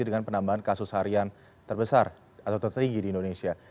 dengan penambahan kasus harian terbesar atau tertinggi di indonesia